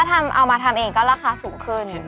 ถ้าเอามาทำเองก็ราคาสูงขึ้นนิดหนึ่ง